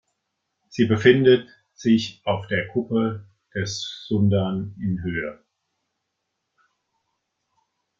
Sie befindet sich auf der Kuppe des Sundern in höhe.